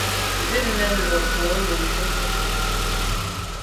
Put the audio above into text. Zit mèn lo kô ne jun ju à.